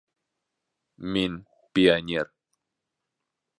— Мин пионер.